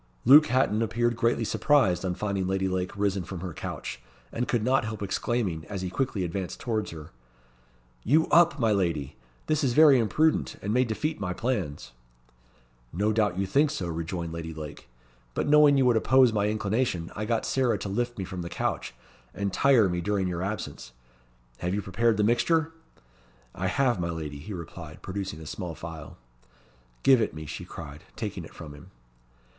Luke Hatton appeared greatly surprised on finding Lady Lake risen from her couch, and could not help exclaiming, as he quickly advanced towards her "You up, my lady! This is very imprudent, and may defeat my plans." "No doubt you think so," rejoined Lady Lake; "but knowing you would oppose my inclination, I got Sarah to lift me from the couch, and tire me during your absence. Have you prepared the mixture?" "I have, my lady," he replied, producing a small phial. "Give it me," she cried, taking it from him.